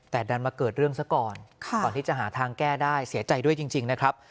แต่ดันมาเกิดเรื่องซะก่อนก่อนที่จะหาทางแก้ได้เสียใจด้วยจริงนะครับ